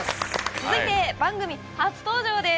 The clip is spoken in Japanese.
続いて番組初登場です。